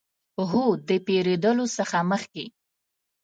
هو، د پیرودلو څخه مخکې